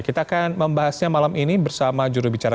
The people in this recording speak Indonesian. kita akan membahasnya malam ini bersama juru bicara